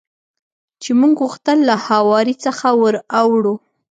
چې موږ غوښتل له هوارې څخه ور اوړو.